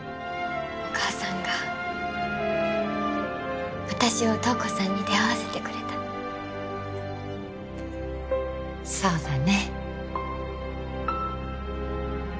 お母さんが私を瞳子さんに出会わせてくれたそうだね